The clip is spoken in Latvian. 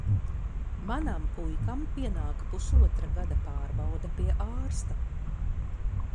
Manam puikam pienāk pusotra gada pārbaude pie ārsta.